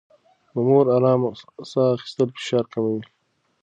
د مور ارام ساه اخيستل فشار کموي.